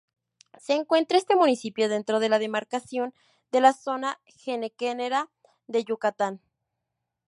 Se encuentra este municipio dentro de la demarcación de la zona henequenera de Yucatán.